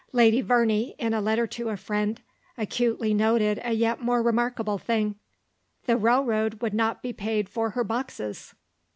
Lady Verney, in a letter to a friend, acutely noted a yet more remarkable thing, "the railroad would not be paid for her boxes."